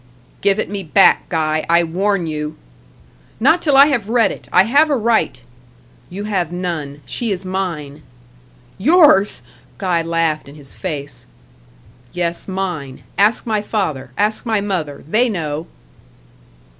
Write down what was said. "Give it me back, Guy; I warn you." "Not till I have read it. I have a right." "You have none. She is mine." "Yours?" Guy laughed in his face. "Yes, mine. Ask my father ask my mother. They know."